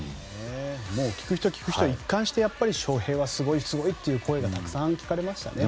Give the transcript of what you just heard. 聞く人、聞く人一貫して翔平はすごいという声がたくさん聞かれましたね。